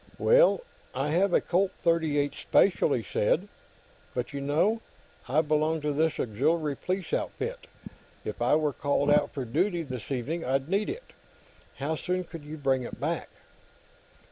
"Well, I have a Colt .38 special," he said, "but you know, I belong to this Auxiliary Police outfit. If I were called out for duty, this evening, I'd need it. How soon could you bring it back?"